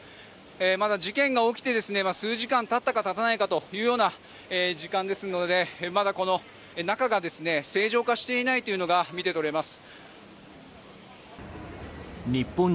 まだ事件が起きてですね数時間経ったか経たないかというような時間ですのでまだこの中が正常化していないというのが見て取れます。